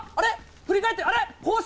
振り返って、あれ？コース